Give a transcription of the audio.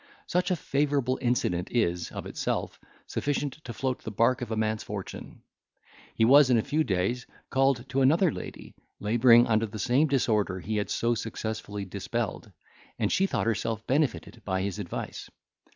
Such a favourable incident is, of itself, sufficient to float the bark of a man's fortune. He was, in a few days, called to another lady, labouring under the same disorder he had so successfully dispelled, and she thought herself benefited by his advice.